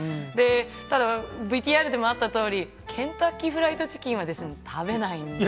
ただ、ＶＴＲでもあったとおり、ケンタッキーフライドチキンは食べないんです。